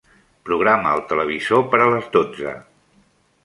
Programa el televisor per a les dotze.